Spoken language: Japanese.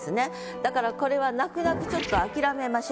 だからこれは泣く泣くちょっと諦めましょう。